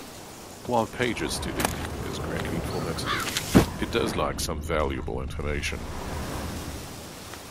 While Pager's study is greatly informative, it does lack some valuable information.